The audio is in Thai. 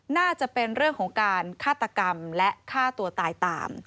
น่าจะเป็นเรื่องของการฆาตกรรมและฆ่าตัวตายตาม